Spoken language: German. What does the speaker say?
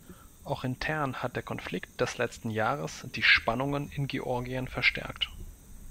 Auch intern hat der Konflikt des letzten Jahres die Spannungen in Georgien verstärkt.